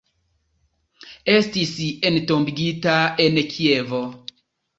Estis entombigita en Kievo.